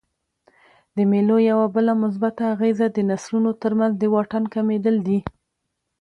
د مېلو یوه بله مثبته اغېزه د نسلونو ترمنځ د واټن کمېدل دي.